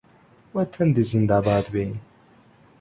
وطن دې زنده باد وي